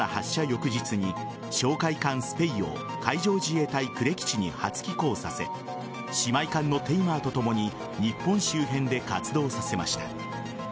翌日に哨戒艦「スペイ」を海上自衛隊呉基地に初寄港させ姉妹艦の「テイマー」とともに日本周辺で活動させました。